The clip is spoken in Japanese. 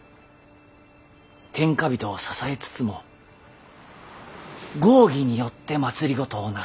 天下人を支えつつも合議によって政をなす。